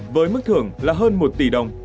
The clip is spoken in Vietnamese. với mức thưởng là hơn một tỷ đồng